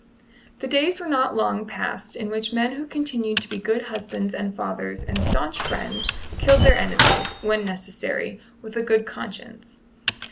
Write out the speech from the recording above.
The days were not long passed in which men who continued to be good husbands and fathers and staunch friends killed their enemies, when necessary, with a good conscience.